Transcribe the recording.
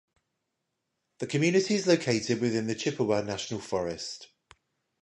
The community is located within the Chippewa National Forest.